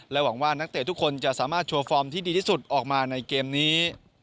หวังว่านักเตะทุกคนจะสามารถโชว์ฟอร์มที่ดีที่สุดออกมาในเกมนี้